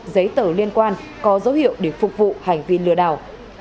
giấy tờ liên quan có dấu hiệu để phục vụ hành vi lừa đảo